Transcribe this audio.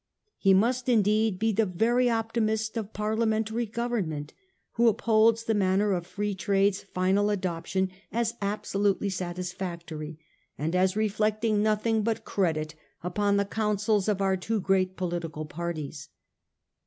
He must, indeed, be the very optimist of Parliamentary government who upholds the manner of Free Trade's final adoption as abso 868 A HISTORY OF OUR OWN TIMES. OH. XV. lutely satisfactory, and as reflecting nothing hut credit upon the counsels of our two great political parties.